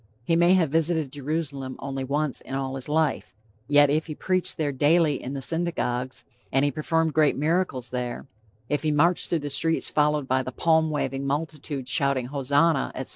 He may have visited Jerusalem only once in all his life, yet if he preached there daily in the synagogues; if he performed great miracles there; if he marched through the streets followed by the palm waving multitude shouting Hosanna, etc.